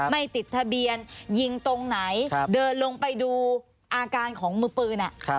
ไม่ติดทะเบียนยิงตรงไหนเดินลงไปดูอาการของมือปืน